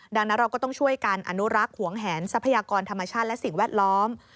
ดังนั้นเราก็ต้องช่วยกันอนุรักษ์หวงแหนทรัพยากรธรรมชาติและสิ่งแวดล้อม